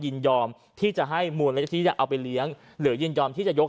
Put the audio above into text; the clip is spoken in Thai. ยินยอมที่จะให้มูลนิธิเอาไปเลี้ยงหรือยินยอมที่จะยก